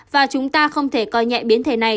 và chúng ta không thể coi nhẹ biến thể này